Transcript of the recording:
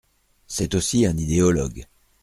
C'est aussi un idéologue.